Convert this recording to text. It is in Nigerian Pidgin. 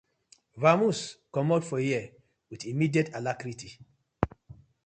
Vamoose comot for here with immediate alarcrity.